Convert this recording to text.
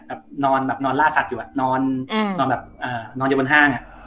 แบบนอนแบบนอนล่าสัตว์อยู่อ่ะนอนนอนแบบอ่านอนอยู่บนห้างอ่ะ